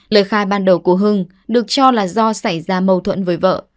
lời khai ban đầu của hưng được cho là do xảy ra mâu thuẫn với vợ